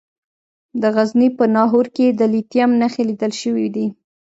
د غزني په ناهور کې د لیتیم نښې لیدل شوي دي.